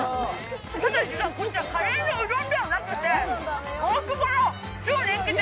こちらカレーのうどんではなくて、大久保の超人気店、